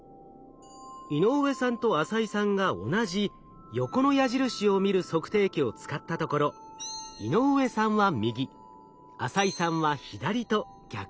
井上さんと浅井さんが同じ横の矢印を見る測定器を使ったところ井上さんは右浅井さんは左と逆に決まります。